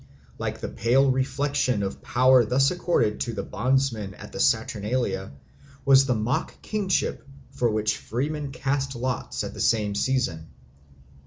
Like the pale reflection of power thus accorded to bondsmen at the Saturnalia was the mock kingship for which freemen cast lots at the same season.